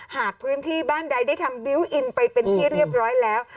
หากพื้นที่บ้านใดได้ทำบิวต์อินไปเป็นที่เรียบร้อยแล้ว